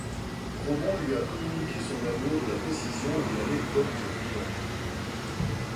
Grobon lui a communiqué son amour de la précision et de l'anecdote vivante.